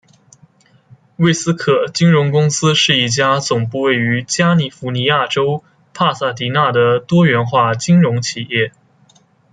魏斯可金融公司是一家总部位于加尼福尼亚州帕萨迪纳的多元化金融企业。